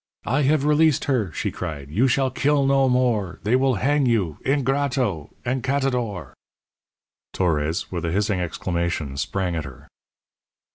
"I have released her," she cried. "You shall kill no more. They will hang you ingrato encatador!" Torres, with a hissing exclamation, sprang at her.